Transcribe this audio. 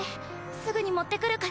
すぐに持ってくるから。